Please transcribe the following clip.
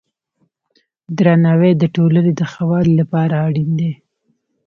درناوی د ټولنې د ښه والي لپاره اړین دی.